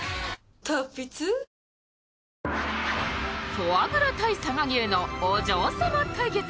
フォアグラ対佐賀牛のお嬢様対決。